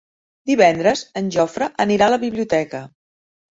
Divendres en Jofre anirà a la biblioteca.